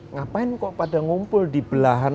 ngapain kok pada ngumpul di belahan